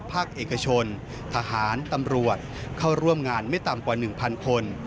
ภาคเอกชนทหารตำรวจเข้าร่วมงานไม่ต่ำกว่า๑๐๐คน